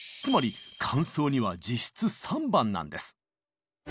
つまり間奏②は実質３番なんです。